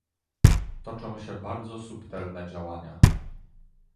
Toczą się bardzo subtelne działania